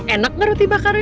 enak gak roti bakarnya